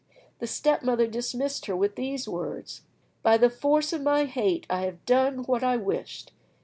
The step mother dismissed her with these words: "By the force of my hate, I have done what I wished!